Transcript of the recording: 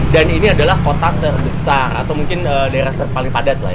dan ini adalah kota terbesar atau mungkin daerah paling padat lah ya